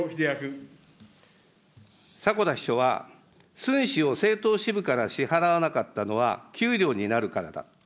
迫田秘書は、寸志を政党支部から支払わなかったのは、給料になるからだ。